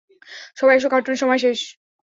সবাই আসো, কার্টুনের সময় শেষ।